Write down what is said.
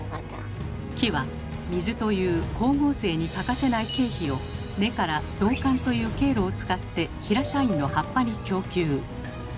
木は水という「光合成に欠かせない経費」を根から導管という経路を使って平社員の葉っぱに供給。